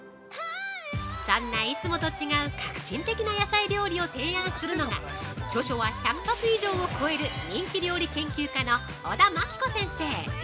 ◆そんな、いつもと違う革新的な野菜料理を提案するのが著書は１００冊以上を超える人気料理研究家の小田真規子先生。